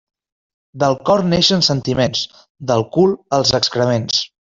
Del cor neixen sentiments, del cul els excrements.